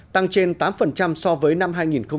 tăng trên tám so với năm hai nghìn một mươi bảy